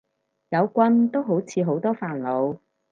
有棍都好似好多煩惱